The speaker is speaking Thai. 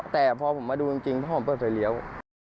แต่พอผมมาดูจริงเพราะผมเปิดไฟเลี้ยว